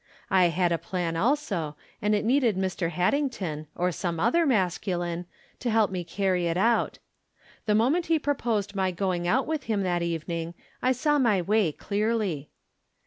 I had a plan also, and it needed Mr. Haddington, or some other masculine, to help me carry it out. The moment he proposed my going out with him that evening, I saw my way clearly.